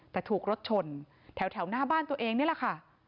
แต่ถูกรถชนแถวหน้าบ้านตัวเองนี่แหละค่ะ